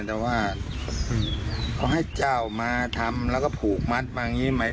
แต่ว่าเขาให้เจ้ามาทำแล้วก็ผูกมัดมาอย่างนี้ไหม